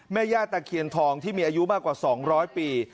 แม่ย่าตะเคียนทองที่มีอายุมากกว่า๒๐๐ปี